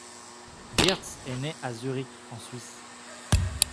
Wirz est né à Zurich en Suisse.